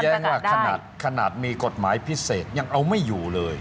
ถ้าเขาจะแย่งว่าขนาดมีกฎหมายพิเศษยังเอาไม่อยู่เลย